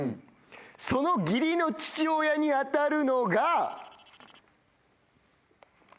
その義理の父親に当たるのが。